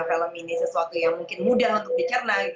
film ini sesuatu yang mungkin mudah untuk dicerna